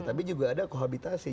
tapi juga ada kohabitasi